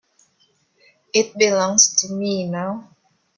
It belongs to me now.